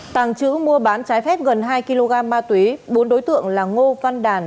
tàng trữ mua bán trái phép gần hai kg ma túy bốn đối tượng là ngô văn đàn